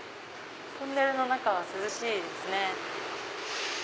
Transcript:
トンネルの中は涼しいですね。